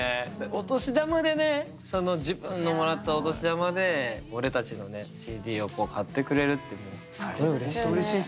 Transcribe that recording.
お年玉でねその自分のもらったお年玉で俺たちのＣＤを買ってくれるってもうすごいうれしい。